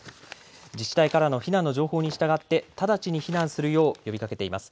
自治体からの避難の情報に従って直ちに避難するよう呼びかけています。